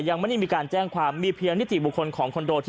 ยังไม่ได้มีการแจ้งความมีเพียงนิติบุคคลของคอนโดที่